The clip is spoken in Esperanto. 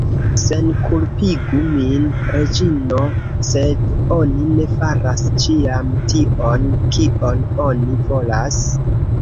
Senkulpigu min, Reĝino: sed oni ne faras ĉiam tion, kion oni volas.